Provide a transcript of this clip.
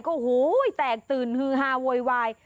โอ้โหแตกตื่นฮือฮาโวยวาย